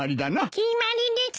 決まりです。